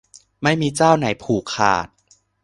ไม่มีเจ้าไหนผูกขาด